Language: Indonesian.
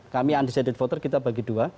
kami undecided voter kita bagi dua